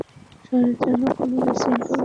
শহরে যেন কোনো বিশৃঙ্খলা না ঘটে।